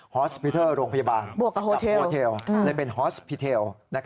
อสพิเทอร์โรงพยาบาลโฮเทลเลยเป็นฮอสพีเทล